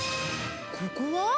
ここは？